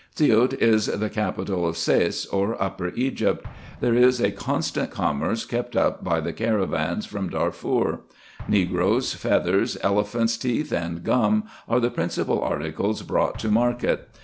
Siout is the capital of Sais, or Upper Egypt. There is a constant commerce kept up by the caravans from Darfoor. Negroes, feathers, elephants' teeth, and gum, are the principle articles brought to market.